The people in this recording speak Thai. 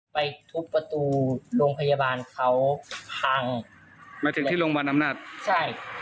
ไปทุบประตูโรงพยาบาลเขาพังมาถึงที่โรงพยาบาลน้ำหนักใช่